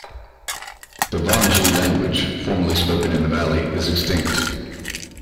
The Vanji language, formerly spoken in the valley, is extinct.